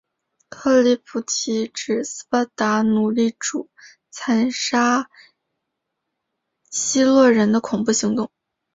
克里普提指斯巴达奴隶主残杀希洛人的恐怖行动。